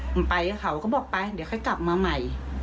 มันไปกับเขาก็บอกไปเดี๋ยวค่อยกลับมาใหม่